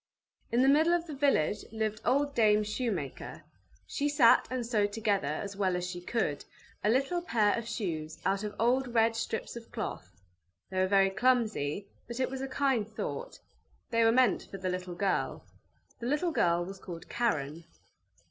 In the middle of the village lived old Dame Shoemaker; she sat and sewed together, as well as she could, a little pair of shoes out of old red strips of cloth; they were very clumsy, but it was a kind thought. They were meant for the little girl. The little girl was called Karen.